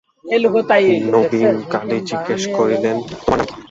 নবীনকালী জিজ্ঞাসা করিলেন, তোমার নাম কী?